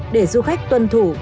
để du khách tuân thủ